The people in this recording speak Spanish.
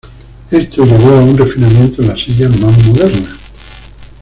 Esto llevó a un refinamiento en las sillas más modernas.